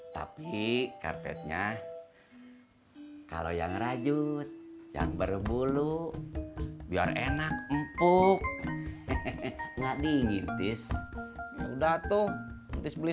tapi karpetnya hai kalau yang rajut yang berbulu biar enak empuk enggak dingin tis udah tuh nanti